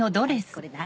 これ何？